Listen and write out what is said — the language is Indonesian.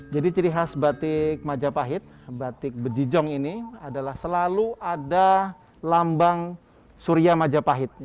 jadi ciri khas batik majapahit batik bejejong ini adalah selalu ada lambang surya majapahit